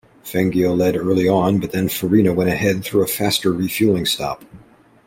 Fangio led early on but then Farina went ahead through a faster refuelling stop.